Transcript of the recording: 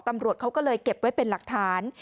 ตำรวจเขาก็เลยเก็บไว้เป็นหลักฐาน